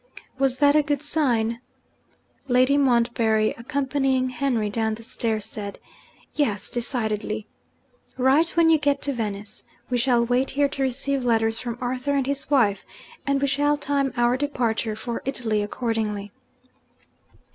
Was that a good sign? Lady Montbarry, accompanying Henry down the stairs, said, 'Yes, decidedly! Write when you get to Venice. We shall wait here to receive letters from Arthur and his wife, and we shall time our departure for Italy accordingly.'